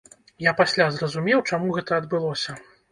Я пасля зразумеў, чаму гэта адбылося.